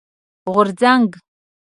غورځنګ